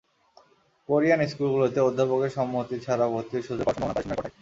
Korean স্কুলগুলোতে অধ্যাপকের সম্মতি ছাড়া ভর্তির সুযোগ পাওয়ার সম্ভাবনা প্রায় শূন্যের কোঠায়।